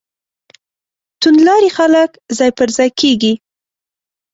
توندلاري خلک ځای پر ځای کېږي.